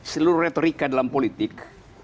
seluruh retorika dalam politik